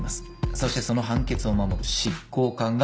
そしてその判決を守る執行官がいるんです。